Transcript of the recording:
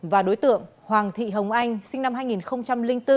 và đối tượng hoàng thị hồng anh sinh năm hai nghìn bốn